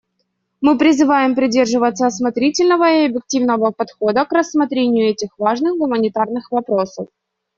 Мы призываем придерживаться осмотрительного и объективного подхода к рассмотрению этих важных гуманитарных вопросов.